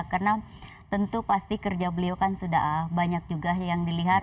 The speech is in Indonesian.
karena tentu pasti kerja beliau kan sudah banyak juga yang dilihat